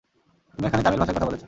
তুমি এখানে তামিল ভাষায় কথা বলেছ।